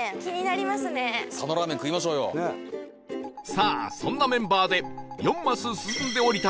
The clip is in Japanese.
さあそんなメンバーで４マス進んで降りた